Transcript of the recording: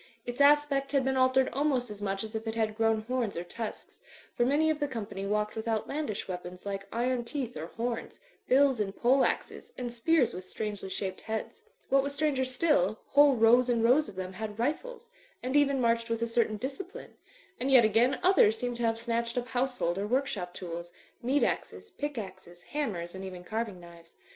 Its aspect had been altered almost as much as if it had grown horns or tusks ; for many of the company walked with outlandish weapons like iron teeth or horns, bills and pole axes, and spears 292 THE FLYING INN with strangdy shaped heads. What was stranger still, whole rows and rows of them had rifles, and even marched with a certain discipline ; and yet again, others seemed to have snatched up household or work shop tools, meat axes, pick axes, hammers and even carving knives.